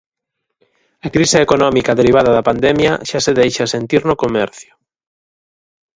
A crise económica derivada da pandemia xa se deixa sentir no comercio.